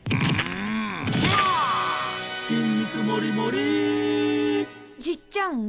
「筋肉もりもり」じっちゃん？